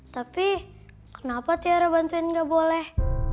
tapi kenapa tiara bantuan gak boleh